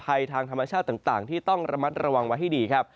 ภัยทางธรรมชาติต่างที่ต้องระมัดระวังไว้ให้ดีครับ